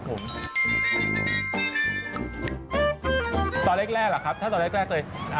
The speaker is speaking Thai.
ตอนแรกอะครับถ้าตอนแรกเลย